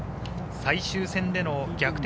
最終戦での逆転